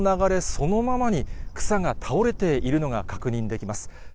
そのままに、草が倒れているのが確認できます。